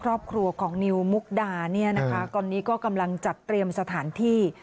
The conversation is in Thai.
ครอบครัวของนิวมุกดาตอนนี้กำลังจัดเตรียมสถานที่